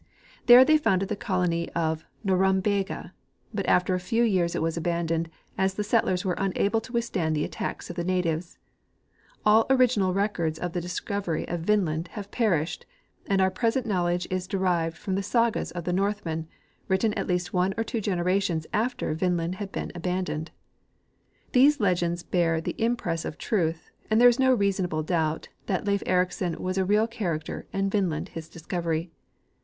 There they founded the colony of Norum bega, but after a few years it was abandoned, as the settlers were unable to withstand the attacks of the natives. All original rec ords of the discovery of Vineland have perished, and our present knowledge is derived from the sagas of the Northmen, written at least one or two generations after Vineland had been aban doned. These legends bear the imj^ress of truth, and there is no reasonable doubt that Leif Ericsson is a real character and Vine land his discovery.